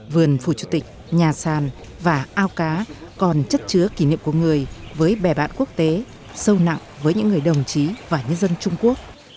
vườn phủ chủ tịch nhà sàn và ao cá còn chất chứa kỷ niệm của người với bè bạn quốc tế sâu nặng với những người đồng chí và nhân dân trung quốc